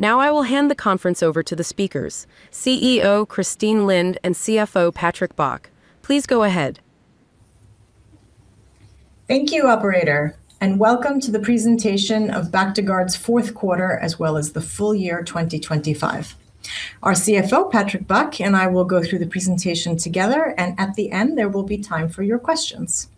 Now I will hand the conference over to the speakers, CEO Christine Lind and CFO Patrick Bach. Please go ahead. Thank you, operator, and welcome to the presentation of Bactiguard's Q4 as well as the full year 2025. Our CFO, Patrick Bach, and I will go through the presentation together, and at the end, there will be time for your questions.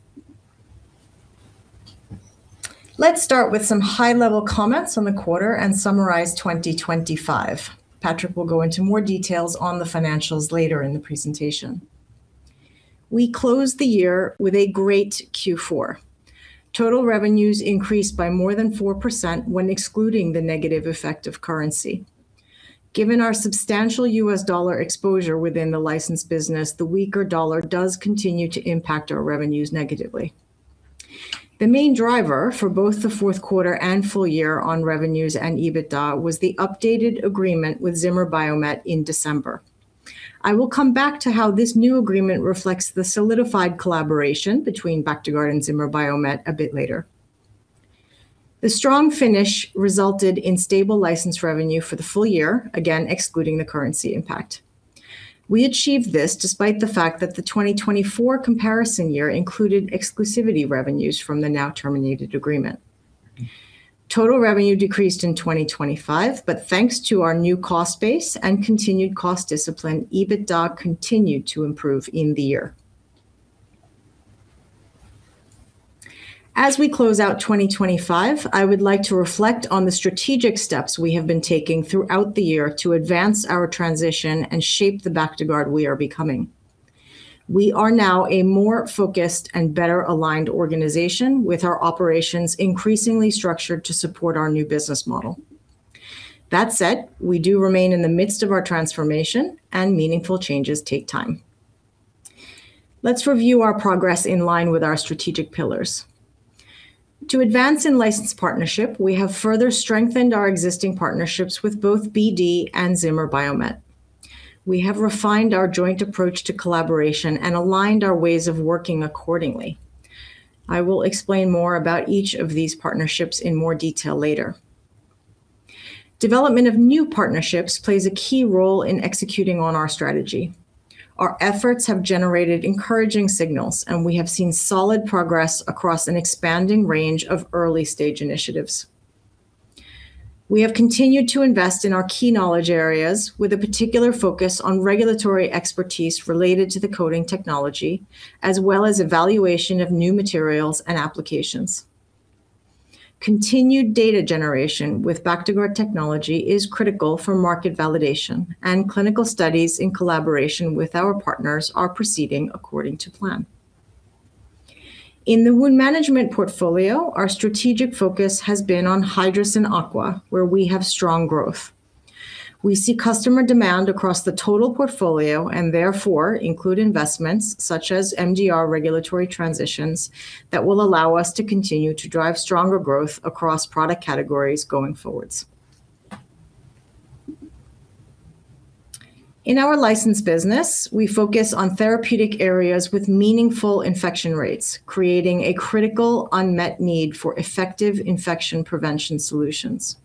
Let's start with some high-level comments on the quarter and summarize 2025. Patrick will go into more details on the financials later in the presentation. We closed the year with a great Q4. Total revenues increased by more than 4% when excluding the negative effect of currency. Given our substantial U.S. dollar exposure within the licensed business, the weaker dollar does continue to impact our revenues negatively. The main driver for both the Q4 and full year on revenues and EBITDA was the updated agreement with Zimmer Biomet in December. I will come back to how this new agreement reflects the solidified collaboration between Bactiguard and Zimmer Biomet a bit later. The strong finish resulted in stable license revenue for the full year, again, excluding the currency impact. We achieved this despite the fact that the 2024 comparison year included exclusivity revenues from the now-terminated agreement. Total revenue decreased in 2025, but thanks to our new cost base and continued cost discipline, EBITDA continued to improve in the year. As we close out 2025, I would like to reflect on the strategic steps we have been taking throughout the year to advance our transition and shape the Bactiguard we are becoming. We are now a more focused and better-aligned organization, with our operations increasingly structured to support our new business model. That said, we do remain in the midst of our transformation, and meaningful changes take time. Let's review our progress in line with our strategic pillars. To advance in licensed partnership, we have further strengthened our existing partnerships with both BD and Zimmer Biomet. We have refined our joint approach to collaboration and aligned our ways of working accordingly. I will explain more about each of these partnerships in more detail later. Development of new partnerships plays a key role in executing on our strategy. Our efforts have generated encouraging signals, and we have seen solid progress across an expanding range of early-stage initiatives. We have continued to invest in our key knowledge areas, with a particular focus on regulatory expertise related to the coating technology, as well as evaluation of new materials and applications. Continued data generation with Bactiguard technology is critical for market validation, and clinical studies in collaboration with our partners are proceeding according to plan. In the wound management portfolio, our strategic focus has been on Hydrocyn Aqua, where we have strong growth. We see customer demand across the total portfolio and therefore include investments such as MDR regulatory transitions that will allow us to continue to drive stronger growth across product categories going forwards. In our licensed business, we focus on therapeutic areas with meaningful infection rates, creating a critical, unmet need for effective infection prevention solutions.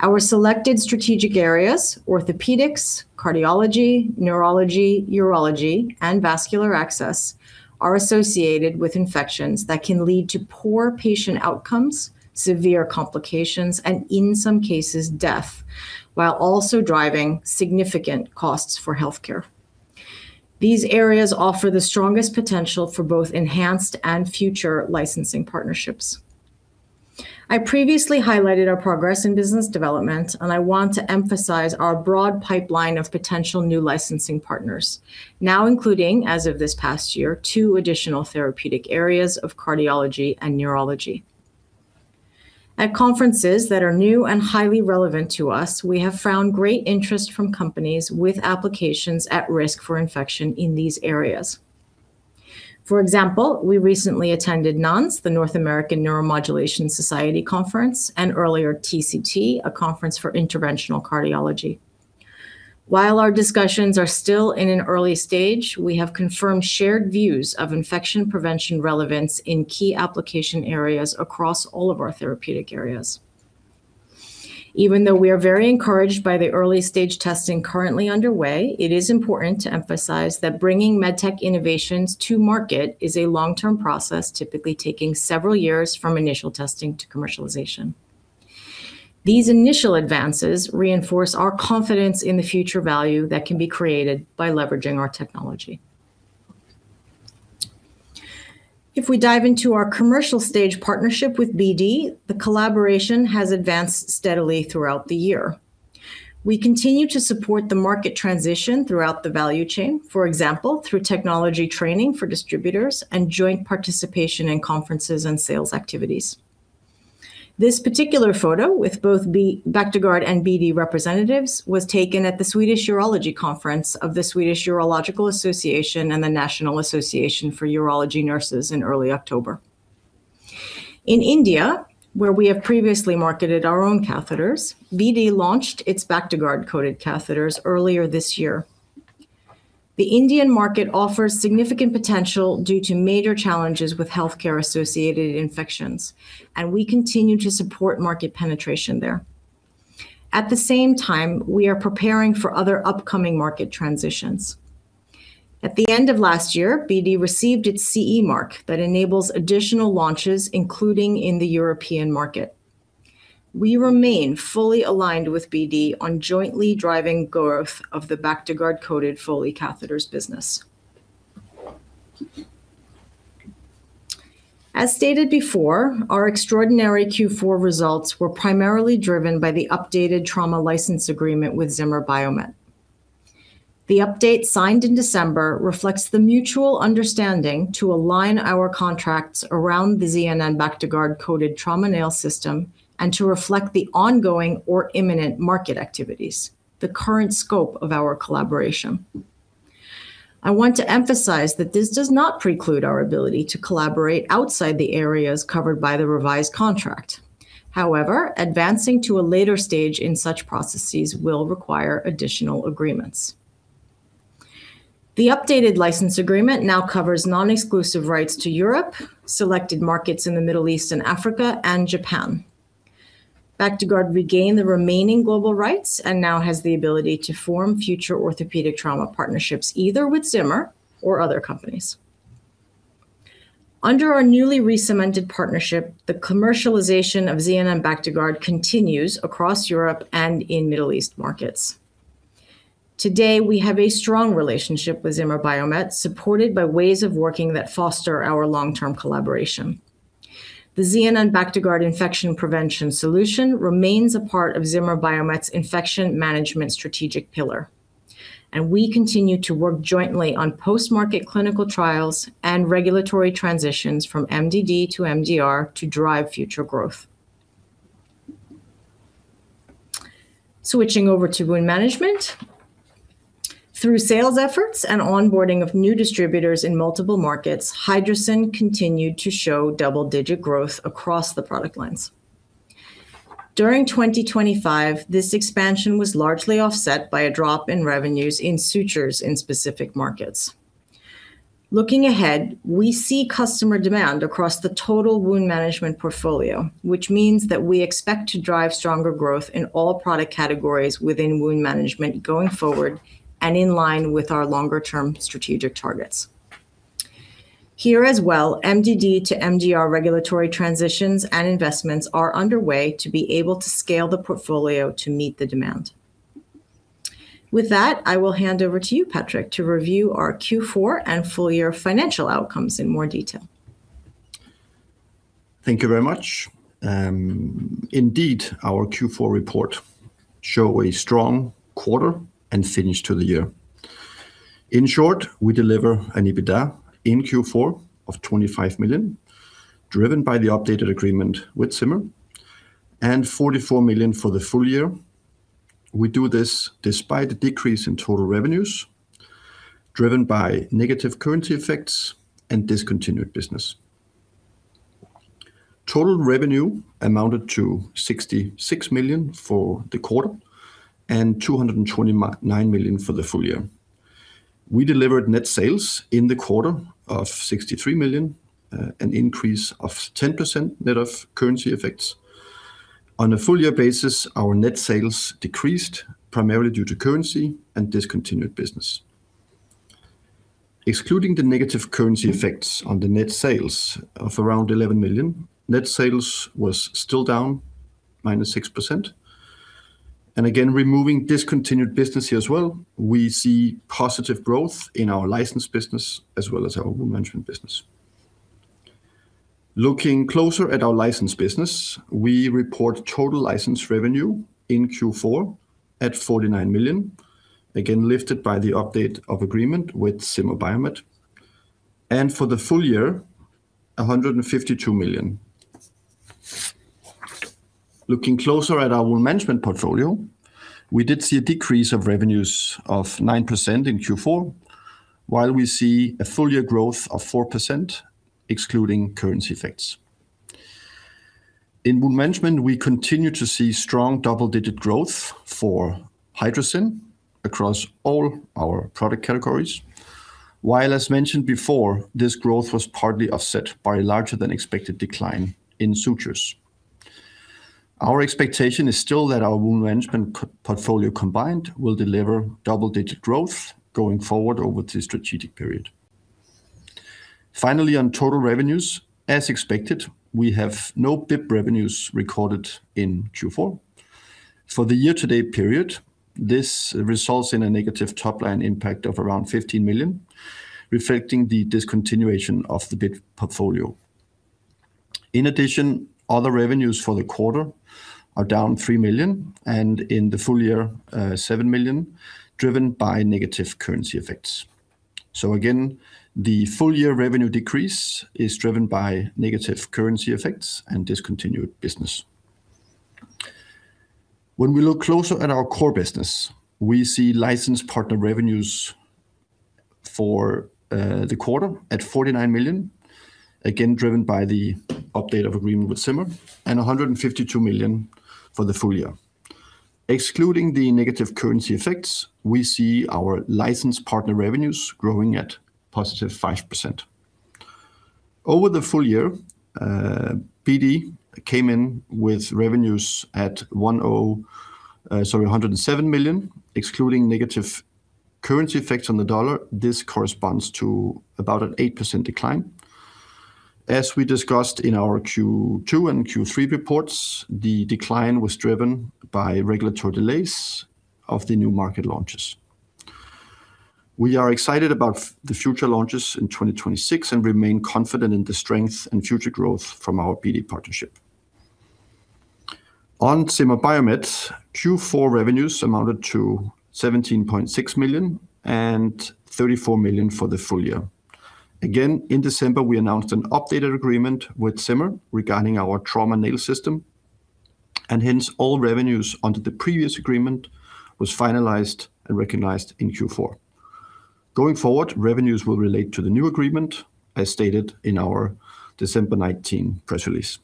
Our selected strategic areas, orthopedics, cardiology, neurology, urology, and vascular access, are associated with infections that can lead to poor patient outcomes, severe complications, and in some cases, death, while also driving significant costs for healthcare. These areas offer the strongest potential for both enhanced and future licensing partnerships. I previously highlighted our progress in business development, and I want to emphasize our broad pipeline of potential new licensing partners, now including, as of this past year, two additional therapeutic areas of cardiology and neurology. At conferences that are new and highly relevant to us, we have found great interest from companies with applications at risk for infection in these areas. For example, we recently attended NANS, the North American Neuromodulation Society Conference, and earlier, TCT, a conference for interventional cardiology. While our discussions are still in an early stage, we have confirmed shared views of infection prevention relevance in key application areas across all of our therapeutic areas. Even though we are very encouraged by the early-stage testing currently underway, it is important to emphasize that bringing medtech innovations to market is a long-term process, typically taking several years from initial testing to commercialization. These initial advances reinforce our confidence in the future value that can be created by leveraging our technology. If we dive into our commercial stage partnership with BD, the collaboration has advanced steadily throughout the year. We continue to support the market transition throughout the value chain, for example, through technology training for distributors and joint participation in conferences and sales activities. This particular photo with both Bactiguard and BD representatives was taken at the Swedish Urological Conference of the Swedish Urological Association and the National Association for Urology Nurses in early October. In India, where we have previously marketed our own catheters, BD launched its Bactiguard-coated catheters earlier this year.... The Indian market offers significant potential due to major challenges with healthcare-associated infections, and we continue to support market penetration there. At the same time, we are preparing for other upcoming market transitions. At the end of last year, BD received its CE mark that enables additional launches, including in the European market. We remain fully aligned with BD on jointly driving growth of the Bactiguard-coated Foley catheters business. As stated before, our extraordinary Q4 results were primarily driven by the updated trauma license agreement with Zimmer Biomet. The update, signed in December, reflects the mutual understanding to align our contracts around the ZNN Bactiguard-coated trauma nail system and to reflect the ongoing or imminent market activities, the current scope of our collaboration. I want to emphasize that this does not preclude our ability to collaborate outside the areas covered by the revised contract. However, advancing to a later stage in such processes will require additional agreements. The updated license agreement now covers non-exclusive rights to Europe, selected markets in the Middle East and Africa, and Japan. Bactiguard regained the remaining global rights and now has the ability to form future orthopedic trauma partnerships, either with Zimmer or other companies. Under our newly recemented partnership, the commercialization of ZNN Bactiguard continues across Europe and in Middle East markets. Today, we have a strong relationship with Zimmer Biomet, supported by ways of working that foster our long-term collaboration. The ZNN Bactiguard infection prevention solution remains a part of Zimmer Biomet's infection management strategic pillar, and we continue to work jointly on post-market clinical trials and regulatory transitions from MDD to MDR to drive future growth. Switching over to wound management. Through sales efforts and onboarding of new distributors in multiple markets, Hydrocyn continued to show double-digit growth across the product lines. During 2025, this expansion was largely offset by a drop in revenues in sutures in specific markets. Looking ahead, we see customer demand across the total wound management portfolio, which means that we expect to drive stronger growth in all product categories within wound management going forward and in line with our longer-term strategic targets. Here as well, MDD to MDR regulatory transitions and investments are underway to be able to scale the portfolio to meet the demand. With that, I will hand over to you, Patrick, to review our Q4 and full year financial outcomes in more detail. Thank you very much. Indeed, our Q4 report show a strong quarter and finish to the year. In short, we deliver an EBITDA in Q4 of 25 million, driven by the updated agreement with Zimmer, and 44 million for the full year. We do this despite a decrease in total revenues, driven by negative currency effects and discontinued business. Total revenue amounted to 66 million for the quarter and 229 million for the full year. We delivered net sales in the quarter of 63 million, an increase of 10% net of currency effects. On a full year basis, our net sales decreased, primarily due to currency and discontinued business. Excluding the negative currency effects on the net sales of around 11 million, net sales was still down -6%. Again, removing discontinued business here as well, we see positive growth in our licensed business as well as our wound management business. Looking closer at our license business, we report total license revenue in Q4 at 49 million, again, lifted by the update of agreement with Zimmer Biomet, and for the full year, 152 million. Looking closer at our wound management portfolio, we did see a decrease of revenues of 9% in Q4, while we see a full year growth of 4%, excluding currency effects. In wound management, we continue to see strong double-digit growth for Hydrocyn across all our product categories, while, as mentioned before, this growth was partly offset by a larger-than-expected decline in sutures. Our expectation is still that our wound management portfolio combined will deliver double-digit growth going forward over the strategic period. Finally, on total revenues, as expected, we have no BIP revenues recorded in Q4. For the year-to-date period, this results in a negative top-line impact of around 15 million, reflecting the discontinuation of the BIP portfolio. In addition, other revenues for the quarter are down 3 million, and in the full year, seven million, driven by negative currency effects. So again, the full year revenue decrease is driven by negative currency effects and discontinued business. When we look closer at our core business, we see licensed partner revenues for the quarter at 49 million, again, driven by the update of agreement with Zimmer, and 152 million for the full year, excluding the negative currency effects, we see our licensed partner revenues growing at positive 5%. Over the full year, BD came in with revenues at 107 million, excluding negative currency effects on the dollar. This corresponds to about an 8% decline. As we discussed in our Q2 and Q3 reports, the decline was driven by regulatory delays of the new market launches. We are excited about the future launches in 2026 and remain confident in the strength and future growth from our BD partnership. On Zimmer Biomet, Q4 revenues amounted to 17.6 million, and 34 million for the full year. Again, in December, we announced an updated agreement with Zimmer regarding our trauma nail system, and hence all revenues under the previous agreement was finalized and recognized in Q4. Going forward, revenues will relate to the new agreement, as stated in our December 19 press release.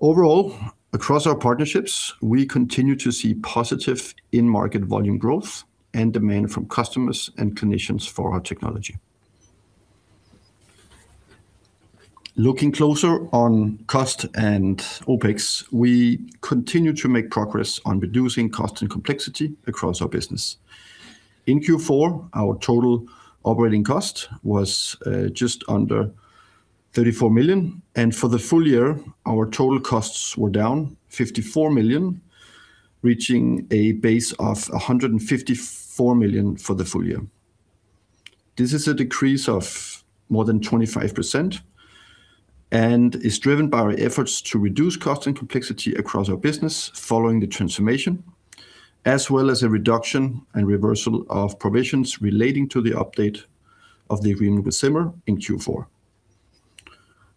Overall, across our partnerships, we continue to see positive in-market volume growth and demand from customers and clinicians for our technology. Looking closer on cost and OpEx, we continue to make progress on reducing cost and complexity across our business. In Q4, our total operating cost was just under 34 million, and for the full year, our total costs were down 54 million, reaching a base of 154 million for the full year. This is a decrease of more than 25% and is driven by our efforts to reduce cost and complexity across our business following the transformation, as well as a reduction and reversal of provisions relating to the update of the agreement with Zimmer in Q4.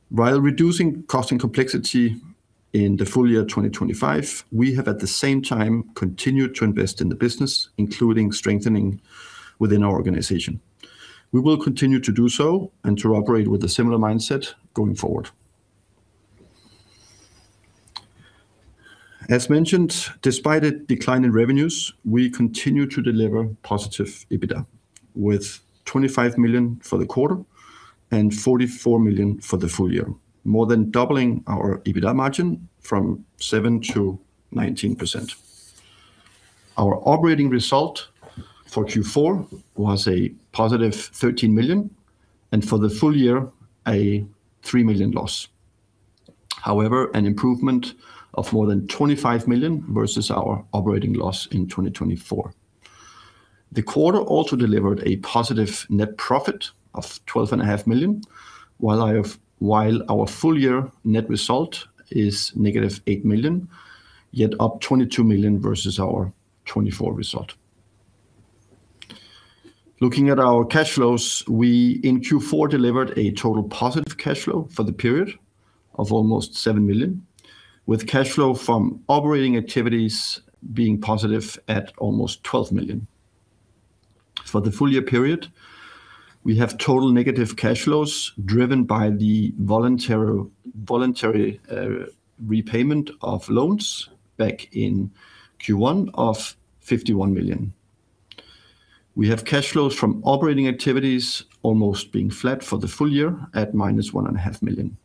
While reducing cost and complexity in the full year 2025, we have, at the same time, continued to invest in the business, including strengthening within our organization. We will continue to do so and to operate with a similar mindset going forward. As mentioned, despite a decline in revenues, we continue to deliver positive EBITDA, with 25 million for the quarter and 44 million for the full year, more than doubling our EBITDA margin from 7% to 19%. Our operating result for Q4 was a positive 13 million, and for the full year, a 3 million loss. However, an improvement of more than 25 million versus our operating loss in 2024. The quarter also delivered a positive net profit of 12.5 million, while our full-year net result is negative 8 million, yet up 22 million versus our 2024 result. Looking at our cash flows, we, in Q4, delivered a total positive cash flow for the period of almost 7 million, with cash flow from operating activities being positive at almost 12 million. For the full year period, we have total negative cash flows driven by the voluntary repayment of loans back in Q1 of 51 million. We have cash flows from operating activities almost being flat for the full year at -1.5 million.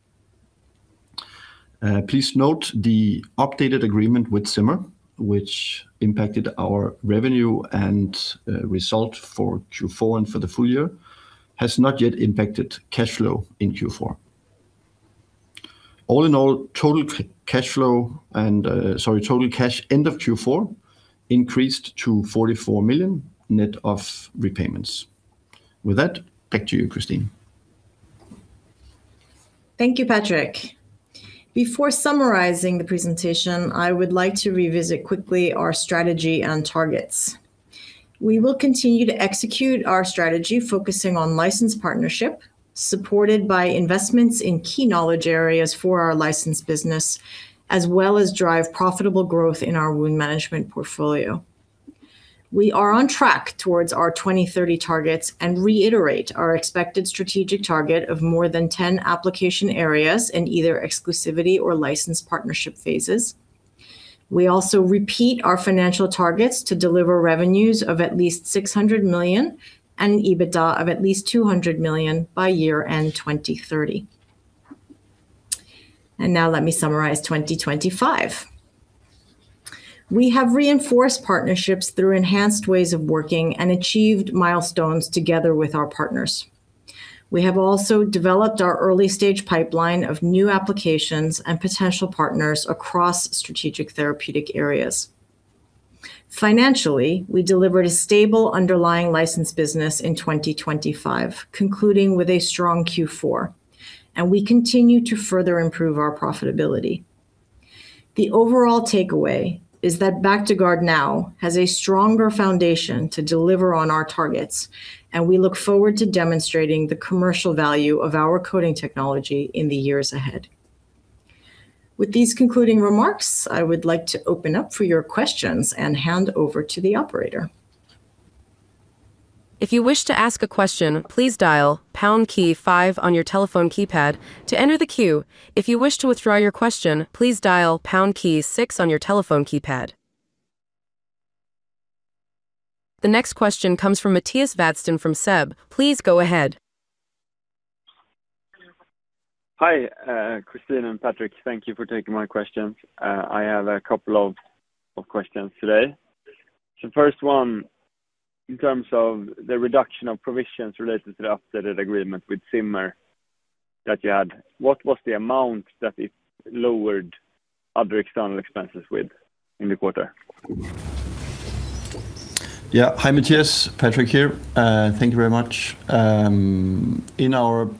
Please note the updated agreement with Zimmer, which impacted our revenue and result for Q4 and for the full year, has not yet impacted cash flow in Q4. All in all, total cash flow. Sorry, total cash end of Q4 increased to 44 million, net of repayments. With that, back to you, Christine. Thank you, Patrick. Before summarizing the presentation, I would like to revisit quickly our strategy and targets. We will continue to execute our strategy, focusing on licensed partnership, supported by investments in key knowledge areas for our licensed business, as well as drive profitable growth in our wound management portfolio. We are on track towards our 2030 targets and reiterate our expected strategic target of more than 10 application areas in either exclusivity or licensed partnership phases. We also repeat our financial targets to deliver revenues of at least 600 million and EBITDA of at least 200 million by year-end 2030. And now let me summarize 2025. We have reinforced partnerships through enhanced ways of working and achieved milestones together with our partners. We have also developed our early-stage pipeline of new applications and potential partners across strategic therapeutic areas. Financially, we delivered a stable underlying license business in 2025, concluding with a strong Q4, and we continue to further improve our profitability. The overall takeaway is that Bactiguard now has a stronger foundation to deliver on our targets, and we look forward to demonstrating the commercial value of our coating technology in the years ahead. With these concluding remarks, I would like to open up for your questions and hand over to the operator. If you wish to ask a question, please dial pound key 5 on your telephone keypad to enter the queue. If you wish to withdraw your question, please dial pound key 6 on your telephone keypad. The next question comes from Mattias Vadsten from SEB. Please go ahead. Hi, Christine and Patrick. Thank you for taking my questions. I have a couple of questions today. So the first one, in terms of the reduction of provisions related to the updated agreement with Zimmer that you had, what was the amount that it lowered other external expenses with in the quarter? Yeah. Hi, Matthias. Patrick here. Thank you very much. In our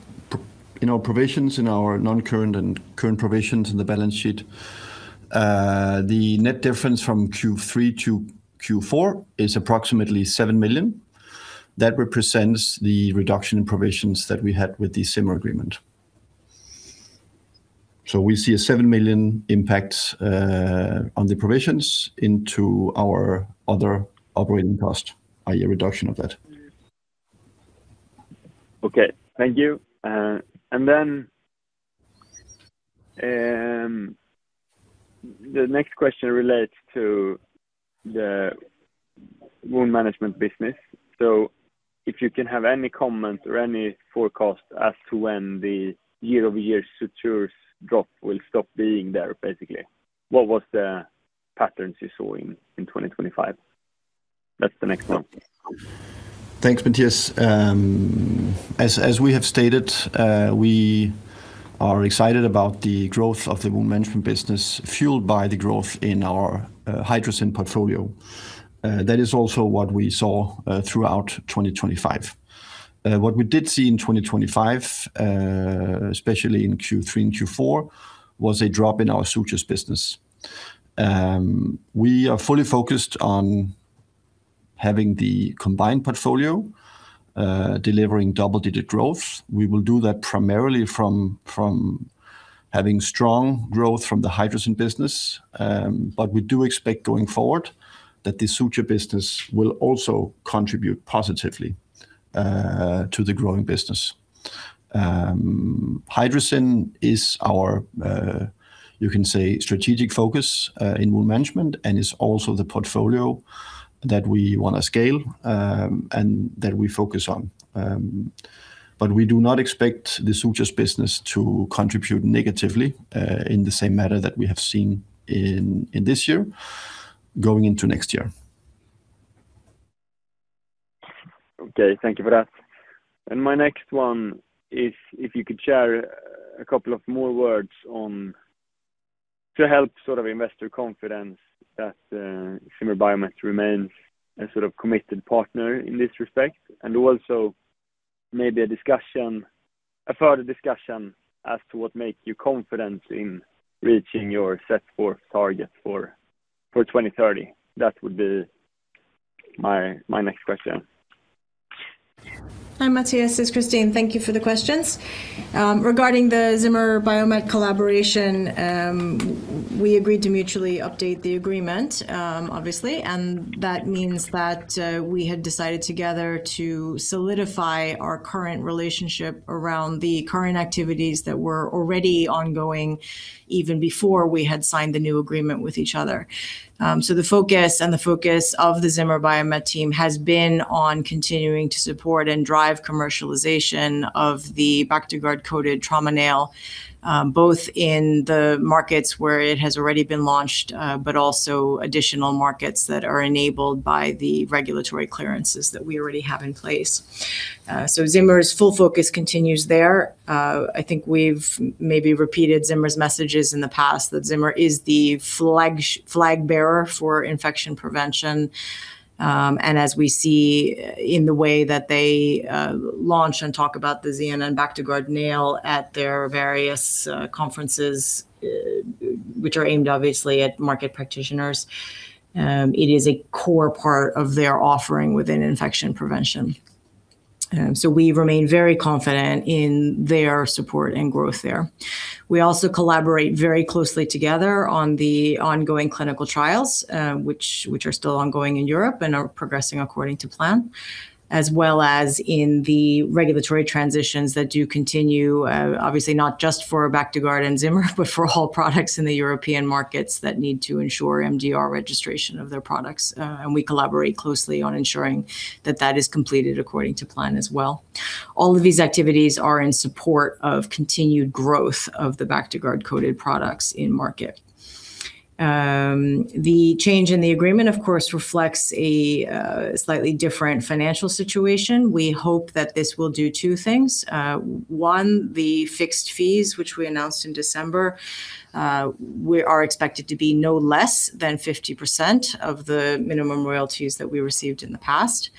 provisions, in our non-current and current provisions in the balance sheet, the net difference from Q3 to Q4 is approximately 7 million. That represents the reduction in provisions that we had with the Zimmer agreement. So we see a 7 million impact, on the provisions into our other operating cost, i.e., reduction of that. Okay. Thank you. And then, the next question relates to the wound management business. So if you can have any comment or any forecast as to when the year-over-year sutures drop will stop being there, basically. What was the patterns you saw in 2025? That's the next one. Thanks, Mattias. As we have stated, we are excited about the growth of the wound management business, fueled by the growth in our Hydrocyn portfolio. That is also what we saw throughout 2025. What we did see in 2025, especially in Q3 and Q4, was a drop in our sutures business. We are fully focused on having the combined portfolio delivering double-digit growth. We will do that primarily from having strong growth from the Hydrocyn business. But we do expect going forward that the suture business will also contribute positively to the growing business. Hydrocyn is our, you can say, strategic focus in wound management, and it's also the portfolio that we wanna scale and that we focus on. But we do not expect the sutures business to contribute negatively, in the same manner that we have seen in this year going into next year. Okay. Thank you for that. And my next one is if you could share a couple of more words on... to help sort of investor confidence that Zimmer Biomet remains a sort of committed partner in this respect, and also maybe a discussion, a further discussion as to what makes you confident in reaching your set forth target for 2030. That would be my next question. Hi, Mattias, it's Christine. Thank you for the questions. Regarding the Zimmer Biomet collaboration, we agreed to mutually update the agreement, obviously, and that means that we had decided together to solidify our current relationship around the current activities that were already ongoing, even before we had signed the new agreement with each other. So the focus of the Zimmer Biomet team has been on continuing to support and drive commercialization of the Bactiguard-coated trauma nail, both in the markets where it has already been launched, but also additional markets that are enabled by the regulatory clearances that we already have in place. So Zimmer's full focus continues there. I think we've maybe repeated Zimmer's messages in the past, that Zimmer is the flag bearer for infection prevention. And as we see in the way that they launch and talk about the ZNN Bactiguard nail at their various conferences, which are aimed obviously at market practitioners, it is a core part of their offering within infection prevention. So we remain very confident in their support and growth there. We also collaborate very closely together on the ongoing clinical trials, which are still ongoing in Europe and are progressing according to plan, as well as in the regulatory transitions that do continue, obviously, not just for Bactiguard and Zimmer, but for all products in the European markets that need to ensure MDR registration of their products. And we collaborate closely on ensuring that that is completed according to plan as well. All of these activities are in support of continued growth of the Bactiguard-coated products in market. The change in the agreement, of course, reflects a slightly different financial situation. We hope that this will do two things: one, the fixed fees, which we announced in December, we are expected to be no less than 50% of the minimum royalties that we received in the past.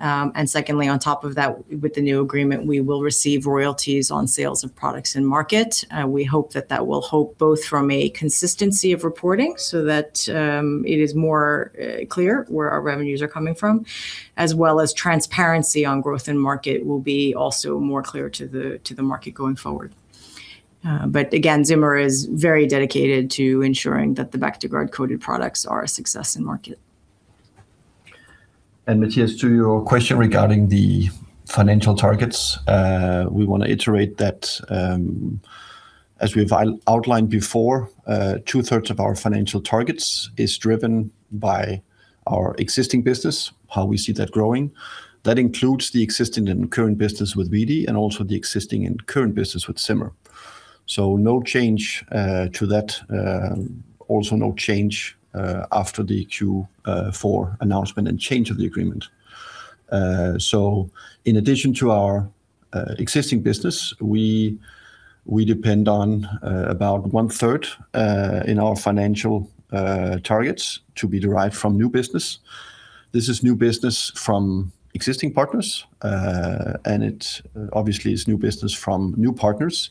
And secondly, on top of that, with the new agreement, we will receive royalties on sales of products in market. We hope that that will help both from a consistency of reporting so that it is more clear where our revenues are coming from, as well as transparency on growth in market will be also more clear to the market going forward. But again, Zimmer is very dedicated to ensuring that the Bactiguard-coated products are a success in market. Mattias, to your question regarding the financial targets, we want to iterate that, as we've outlined before, two-thirds of our financial targets is driven by our existing business, how we see that growing. That includes the existing and current business with BD, and also the existing and current business with Zimmer. No change to that. Also, no change after the Q4 announcement and change of the agreement. In addition to our existing business, we depend on about one-third in our financial targets to be derived from new business. This is new business from existing partners, and it's obviously is new business from new partners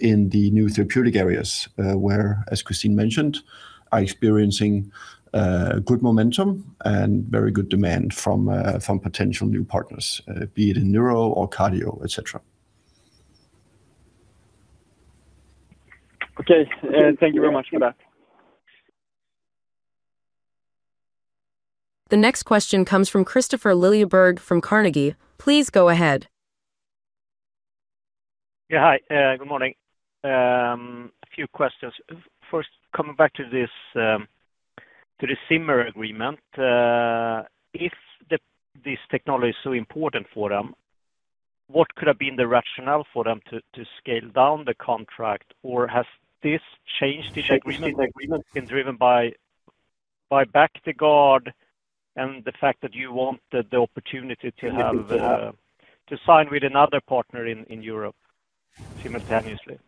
in the new therapeutic areas, where, as Christine mentioned, are experiencing good momentum and very good demand from from potential new partners, be it in neuro or cardio, et cetera. Okay. Thank you very much for that. The next question comes from Kristofer Liljeberg from Carnegie. Please go ahead. Yeah, hi. Good morning. A few questions. First, coming back to this, to the Zimmer agreement. If this technology is so important for them, what could have been the rationale for them to scale down the contract? Or has this changed the agreement been driven by Bactiguard and the fact that you want the opportunity to have to sign with another partner in Europe simultaneously?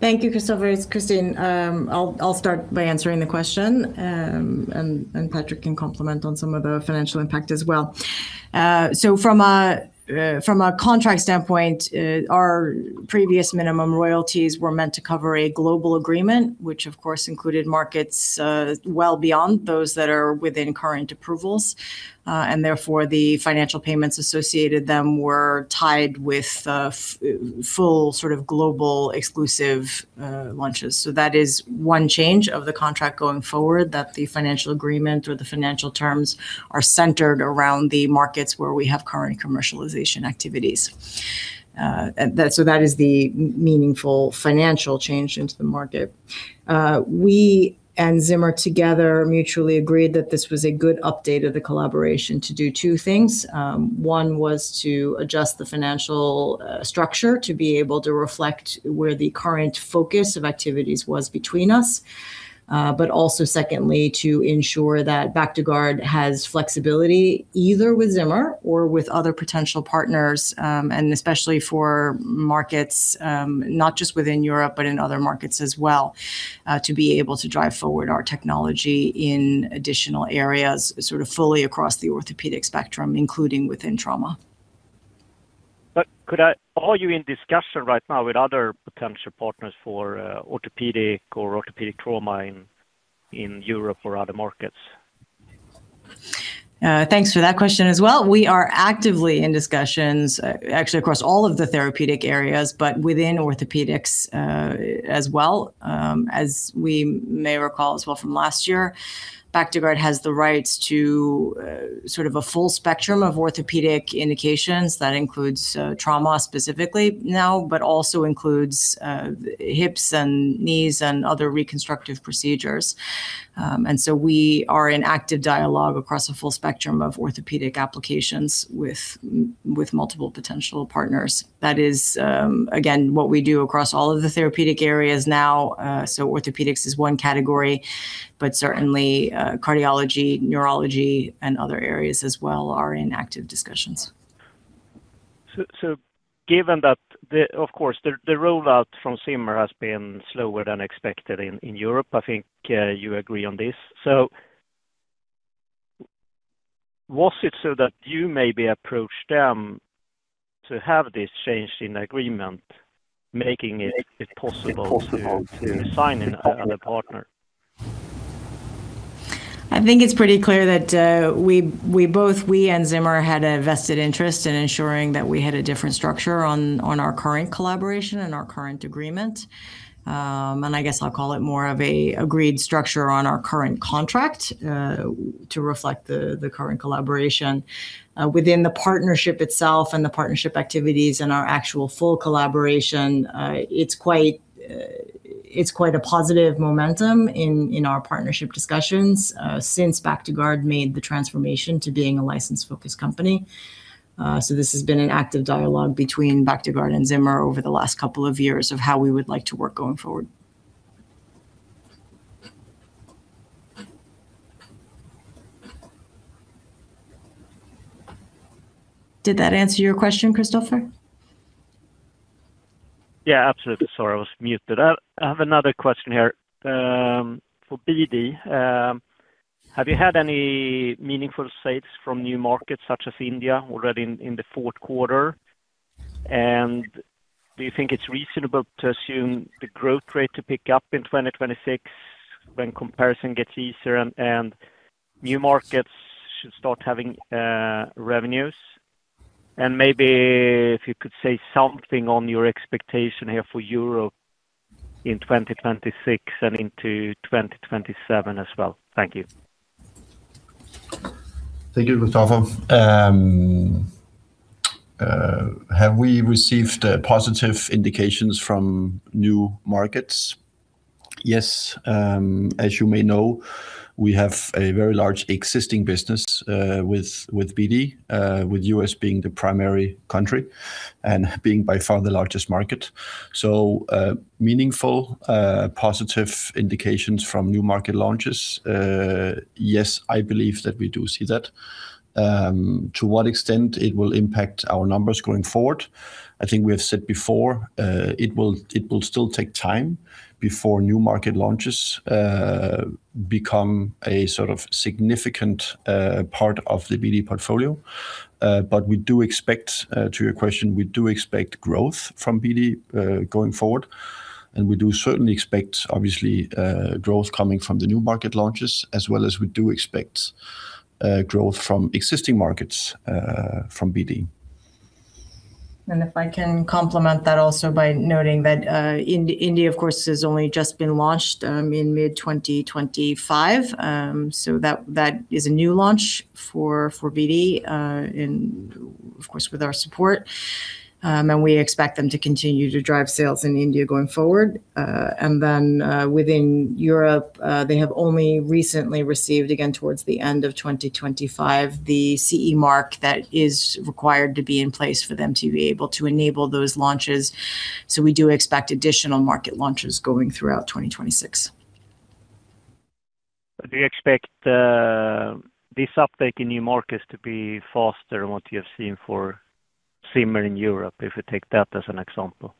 Thank you, Kristofer. It's Christine. I'll start by answering the question, and Patrick can comment on some of the financial impact as well. So from a contract standpoint, our previous minimum royalties were meant to cover a global agreement, which of course included markets well beyond those that are within current approvals. And therefore, the financial payments associated with them were tied with full, sort of, global exclusive launches. So that is one change of the contract going forward, that the financial agreement or the financial terms are centered around the markets where we have current commercialization activities. That—so that is the meaningful financial change into the market. We and Zimmer together mutually agreed that this was a good update of the collaboration to do two things. One was to adjust the financial structure to be able to reflect where the current focus of activities was between us. But also secondly, to ensure that Bactiguard has flexibility, either with Zimmer or with other potential partners, and especially for markets, not just within Europe, but in other markets as well, to be able to drive forward our technology in additional areas, sort of fully across the orthopedic spectrum, including within trauma. But are you in discussion right now with other potential partners for orthopedic trauma in Europe or other markets? Thanks for that question as well. We are actively in discussions, actually across all of the therapeutic areas, but within orthopedics, as well. As we may recall as well from last year, Bactiguard has the rights to, sort of a full spectrum of orthopedic indications. That includes, trauma specifically now, but also includes, hips and knees and other reconstructive procedures. And so we are in active dialogue across a full spectrum of orthopedic applications with multiple potential partners. That is, again, what we do across all of the therapeutic areas now. So orthopedics is one category, but certainly, cardiology, neurology, and other areas as well are in active discussions. So given that the... Of course, the rollout from Zimmer has been slower than expected in Europe. I think you agree on this. So was it so that you maybe approached them to have this change in agreement, making it possible to sign another partner? I think it's pretty clear that we, we both, we and Zimmer, had a vested interest in ensuring that we had a different structure on our current collaboration and our current agreement. And I guess I'll call it more of a agreed structure on our current contract to reflect the current collaboration within the partnership itself and the partnership activities and our actual full collaboration. It's quite a positive momentum in our partnership discussions since Bactiguard made the transformation to being a license-focused company. So this has been an active dialogue between Bactiguard and Zimmer over the last couple of years of how we would like to work going forward. Did that answer your question, Kristofer? Yeah, absolutely. Sorry, I was muted. I, I have another question here. For BD, have you had any meaningful sales from new markets, such as India, already in, in the Q4? And do you think it's reasonable to assume the growth rate to pick up in 2026? When comparison gets easier and, and new markets should start having revenues? And maybe if you could say something on your expectation here for Europe in 2026 and into 2027 as well. Thank you. Thank you, Kristofer. Have we received positive indications from new markets? Yes. As you may know, we have a very large existing business with BD, with U.S. being the primary country and being by far the largest market. So, meaningful positive indications from new market launches, yes, I believe that we do see that. To what extent it will impact our numbers going forward, I think we have said before, it will still take time before new market launches become a sort of significant part of the BD portfolio. But we do expect, to your question, we do expect growth from BD, going forward, and we do certainly expect obviously, growth coming from the new market launches, as well as we do expect, growth from existing markets, from BD. If I can complement that also by noting that India, of course, has only just been launched in mid-2025. So that is a new launch for BD, and of course, with our support. We expect them to continue to drive sales in India going forward. Then, within Europe, they have only recently received, again, towards the end of 2025, the CE mark that is required to be in place for them to be able to enable those launches. So we do expect additional market launches going throughout 2026. Do you expect this uptake in new markets to be faster than what you have seen for Zimmer in Europe, if we take that as an example?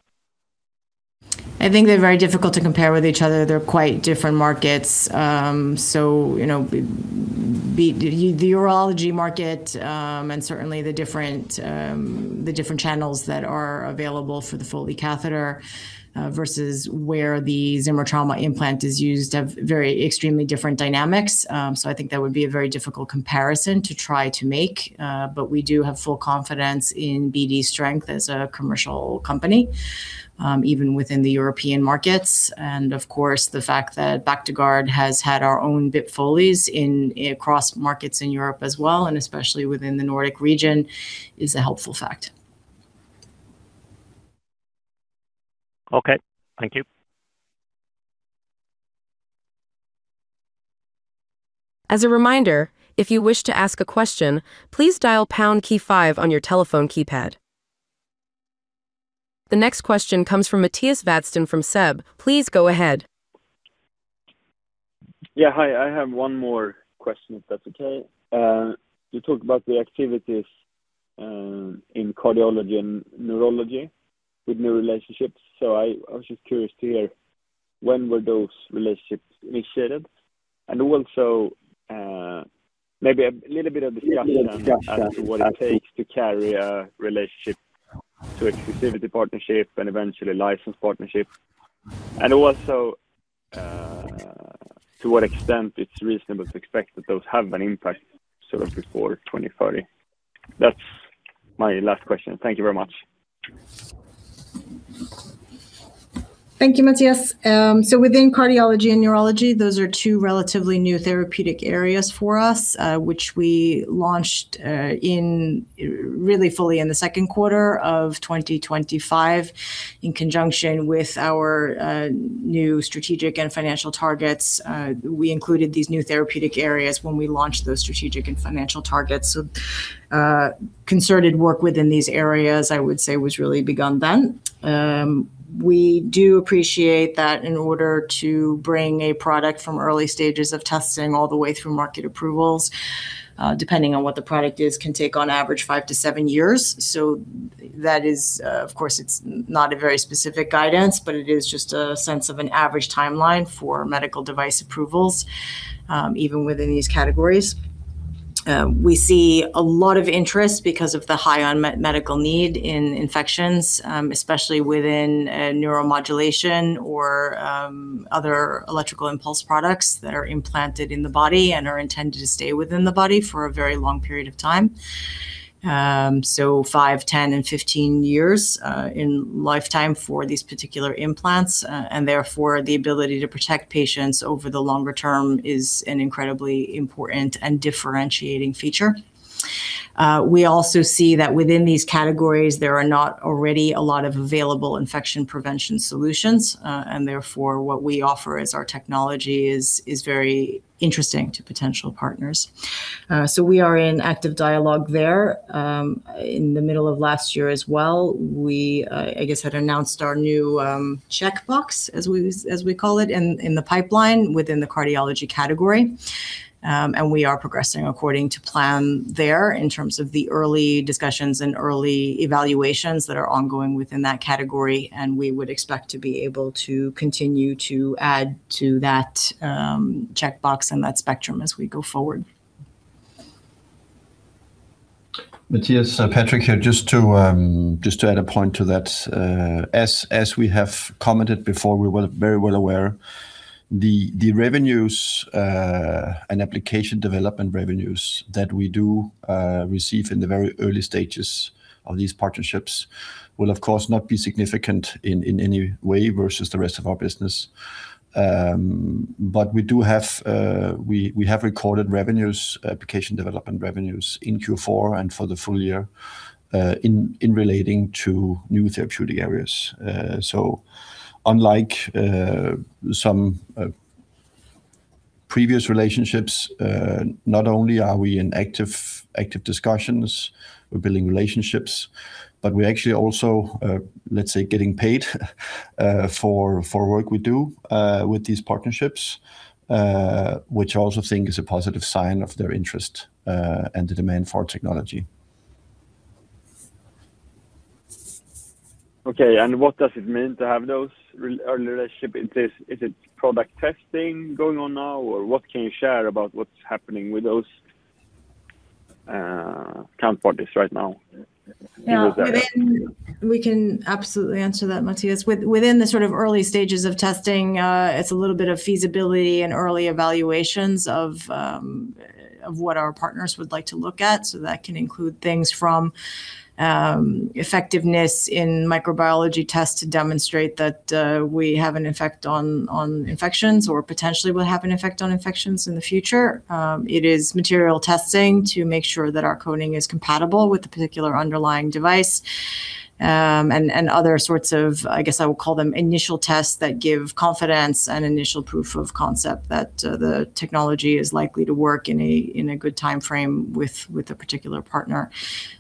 I think they're very difficult to compare with each other. They're quite different markets. So, you know, the urology market, and certainly the different channels that are available for the Foley catheter, versus where the Zimmer trauma implant is used, have very extremely different dynamics. So I think that would be a very difficult comparison to try to make. But we do have full confidence in BD's strength as a commercial company, even within the European markets. And of course, the fact that Bactiguard has had our own BIP Foleys in across markets in Europe as well, and especially within the Nordic region, is a helpful fact. Okay. Thank you. As a reminder, if you wish to ask a question, please dial pound key 5 on your telephone keypad. The next question comes from Mattias Vadsten from SEB. Please go ahead. Yeah, hi, I have one more question, if that's okay. You talked about the activities in cardiology and neurology with new relationships. So I was just curious to hear, when were those relationships initiated? And also, maybe a little bit of discussion- Little discussion as to what it takes to carry a relationship to exclusivity partnership and eventually license partnership. And also, to what extent it's reasonable to expect that those have an impact sort of before 2040. That's my last question. Thank you very much. Thank you, Mattias. So within cardiology and neurology, those are two relatively new therapeutic areas for us, which we launched in really fully in the Q2 of 2025. In conjunction with our new strategic and financial targets, we included these new therapeutic areas when we launched those strategic and financial targets. So concerted work within these areas, I would say, was really begun then. We do appreciate that in order to bring a product from early stages of testing all the way through market approvals, depending on what the product is, can take on average 5-7 years. So that is, of course, it's not a very specific guidance, but it is just a sense of an average timeline for medical device approvals, even within these categories. We see a lot of interest because of the high unmet medical need in infections, especially within neuromodulation or other electrical impulse products that are implanted in the body and are intended to stay within the body for a very long period of time. So 5, 10, and 15 years in lifetime for these particular implants, and therefore, the ability to protect patients over the longer term is an incredibly important and differentiating feature. We also see that within these categories, there are not already a lot of available infection prevention solutions, and therefore, what we offer as our technology is, is very interesting to potential partners. So we are in active dialogue there. In the middle of last year as well, we, I guess, had announced our new checkbox, as we call it, in the pipeline within the cardiology category. We are progressing according to plan there in terms of the early discussions and early evaluations that are ongoing within that category, and we would expect to be able to continue to add to that checkbox and that spectrum as we go forward. Mattias, Patrick here, just to add a point to that. As we have commented before, we're very well aware the revenues and application development revenues that we do receive in the very early stages of these partnerships will, of course, not be significant in any way versus the rest of our business. But we do have, we have recorded revenues, application development revenues in Q4 and for the full year, in relating to new therapeutic areas. So unlike some previous relationships, not only are we in active discussions, we're building relationships, but we're actually also, let's say, getting paid for work we do with these partnerships. Which I also think is a positive sign of their interest, and the demand for our technology. Okay, and what does it mean to have those really early relationships in place? Is it product testing going on now, or what can you share about what's happening with those counterparties right now? Yeah, within-... We can absolutely answer that, Mattias. Within the sort of early stages of testing, it's a little bit of feasibility and early evaluations of what our partners would like to look at. So that can include things from effectiveness in microbiology tests to demonstrate that we have an effect on infections, or potentially will have an effect on infections in the future. It is material testing to make sure that our coating is compatible with the particular underlying device. And other sorts of, I guess I will call them, initial tests that give confidence and initial proof of concept that the technology is likely to work in a good timeframe with a particular partner.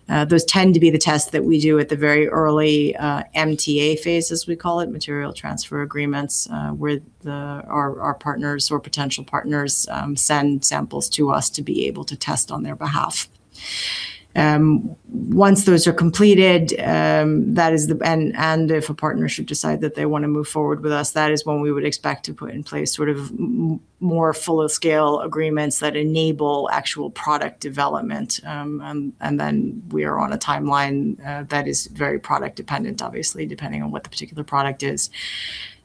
Those tend to be the tests that we do at the very early MTA phase, as we call it, material transfer agreements, where our partners or potential partners send samples to us to be able to test on their behalf. Once those are completed, that is the... And if a partner should decide that they wanna move forward with us, that is when we would expect to put in place sort of more fuller scale agreements that enable actual product development. And then we are on a timeline that is very product dependent, obviously, depending on what the particular product is.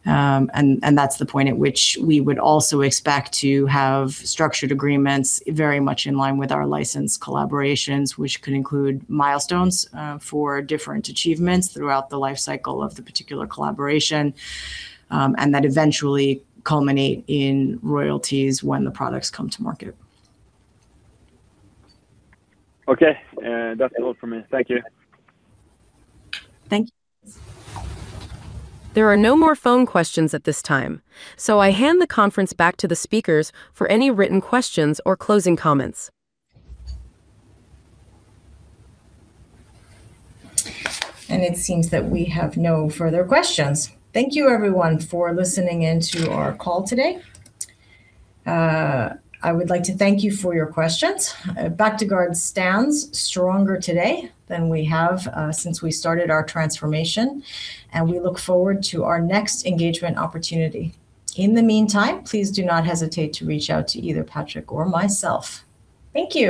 That's the point at which we would also expect to have structured agreements very much in line with our license collaborations, which could include milestones for different achievements throughout the life cycle of the particular collaboration. That eventually culminate in royalties when the products come to market. Okay. That's all for me. Thank you. Thanks. There are no more phone questions at this time, so I hand the conference back to the speakers for any written questions or closing comments. It seems that we have no further questions. Thank you everyone for listening in to our call today. I would like to thank you for your questions. Bactiguard stands stronger today than we have since we started our transformation, and we look forward to our next engagement opportunity. In the meantime, please do not hesitate to reach out to either Patrick or myself. Thank you!